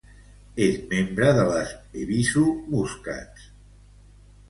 És membre de les Ebisu Muscats.